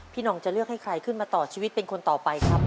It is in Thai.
หน่องจะเลือกให้ใครขึ้นมาต่อชีวิตเป็นคนต่อไปครับ